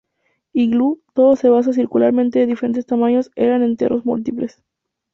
Iglú, todos de base circular de diferentes tamaños eran entierros múltiples.